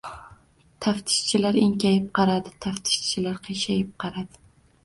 Taftishchilar enkayib qaradi. Taftishchilar qiyshayib qaradi.